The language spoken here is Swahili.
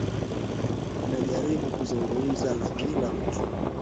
Ninajaribu kuzungumza na kila mtu.